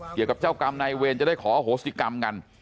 เกี่ยวกับเจ้ากรรมนายเวรจะได้ขอโหสิกรรมกัน